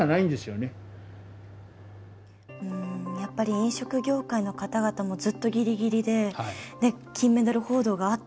飲食業界の方々もずっとギリギリで金メダル報道があった